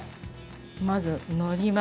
まずのります。